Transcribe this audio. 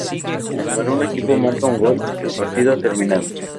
Cuando un equipo marca un gol, el partido ha terminado.